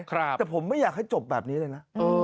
แต่ผมไม่อยากให้จบแบบนี้เลยนะ